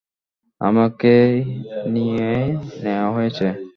আমাকে কি নিয়ে নেয়া হয়েছে?